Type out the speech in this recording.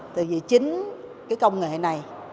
tại vì chính cái công nghệ này